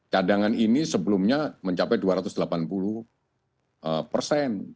cadangan ini sebelumnya mencapai dua ratus delapan puluh persen